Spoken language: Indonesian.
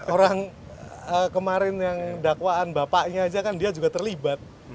orang kemarin yang dakwaan bapaknya aja kan dia juga terlibat